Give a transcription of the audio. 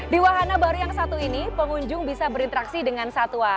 di wahana baru yang satu ini pengunjung bisa berinteraksi dengan satwa